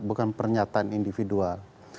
bukan pernyataan individual